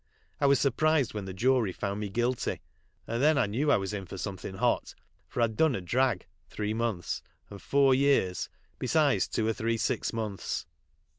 I was surprised when the jury found me guilty, and then I knew I was in for something hot, for I'd done a drag (three months), and four years, besides two or three six months'.